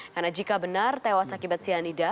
karena jika benar tewas akibat cyanida